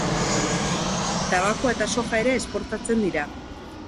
Tabakoa eta soja ere esportatzen dira.